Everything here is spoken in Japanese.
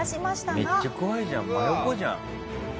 めっちゃ怖いじゃん真横じゃん。